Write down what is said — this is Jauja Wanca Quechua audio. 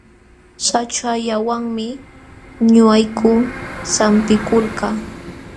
Saćhallawanmi ñuqayku sampikulkaa.